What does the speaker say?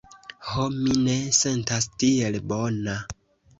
Ho, mi ne sentas tiel bona.